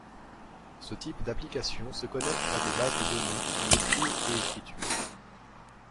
Ce type d'application se connecte à des bases de données en lecture et écriture.